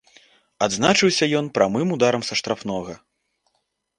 Адзначыўся ён прамым ударам са штрафнога.